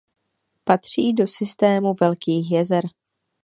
Patří do systému Velkých jezer.